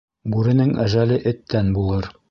Бүренең әжәле эттән булыр.